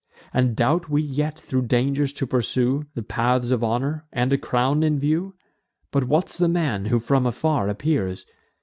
And doubt we yet thro' dangers to pursue The paths of honour, and a crown in view? But what's the man, who from afar appears?